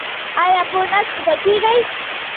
ایا په نس ویده کیږئ؟